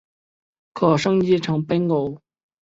可升级成奔狗。